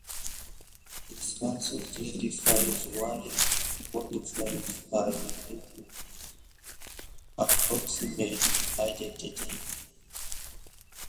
This also clarifies why mollifiers are related to approximate identities.